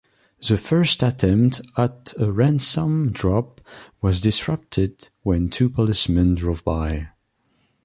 The first attempt at a ransom drop was disrupted when two policemen drove by.